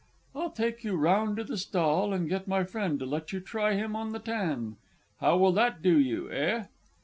I'll take you round to the stall and get my friend to let you try him on the tan. How will that do you, eh?